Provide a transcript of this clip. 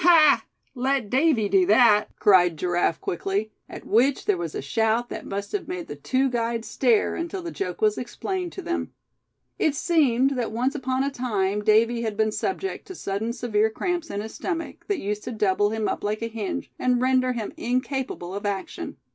"Ha! let Davy do that!" cried Giraffe, quickly; at which there was a shout that must have made the two guides stare, until the joke was explained to them. It seemed that once upon a time Davy had been subject to sudden severe cramps in his stomach, that used to double him up like a hinge, and render him incapable of action.